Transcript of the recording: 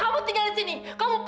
apa tadi sudahsup